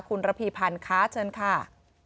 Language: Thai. คุณระพีพันธ์ค่ะเชิญค่ะ